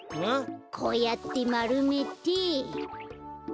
こうやってまるめて。